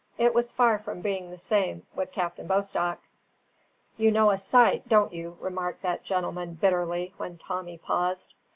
It was far from being the same with Captain Bostock. "You know a sight, don't you?" remarked that gentleman, bitterly, when Tommy paused.